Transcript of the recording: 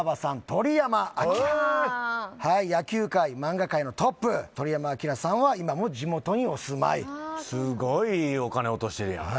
野球界漫画界のトップ鳥山明さんは今も地元にお住まいすごいお金落としてるやん